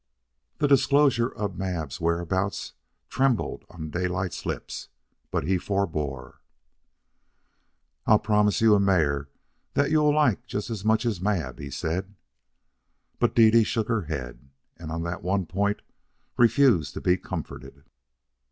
The disclosure of Mab's whereabouts trembled on Daylight's lips, but he forbore. "I'll promise you a mare that you'll like just as much as Mab," he said. But Dede shook her head, and on that one point refused to be comforted.